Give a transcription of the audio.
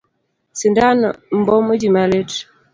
Sindan mbomo ji malit.